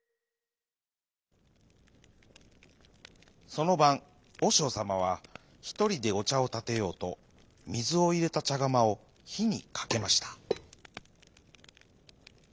そのばんおしょうさまはひとりでおちゃをたてようとみずをいれたちゃがまをひにかけました。